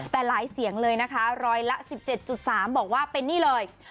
แต่หลายเสียงเลยนะคะร้อยละ๑๗๓บอกว่าเป็นนี่เลย